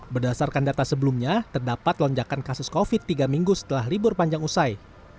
berdasarkan data sebelumnya terdapat lonjakan kasus covid tiga minggu setelah libur panjang usai